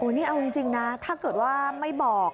นี่เอาจริงนะถ้าเกิดว่าไม่บอก